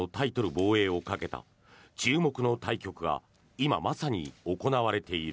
防衛をかけた注目の対局が今、まさに行われている。